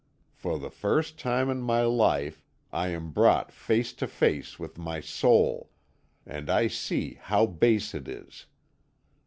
For the first time in my life I am brought face to face with my soul, and I see how base it is.